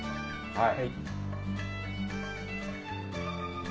はい！